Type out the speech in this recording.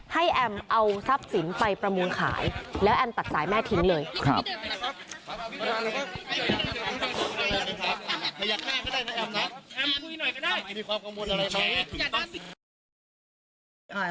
แอมเอาทรัพย์สินไปประมูลขายแล้วแอมตัดสายแม่ทิ้งเลย